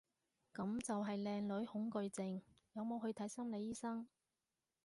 噉就係靚女恐懼症，有冇去睇心理醫生？